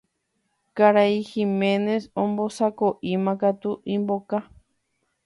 Karai Giménez ombosako'íma katu imboka.